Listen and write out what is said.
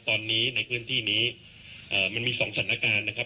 ตอนนี้ในพื้นที่นี้มันมี๒สถานการณ์นะครับ